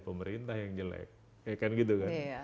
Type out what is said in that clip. pemerintah yang jelek ya kan gitu kan